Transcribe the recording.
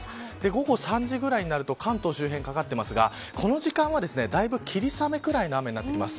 午後３時ぐらいになると関東周辺にかかっていますがこの時間はだいぶ霧雨くらいの雨になってきます。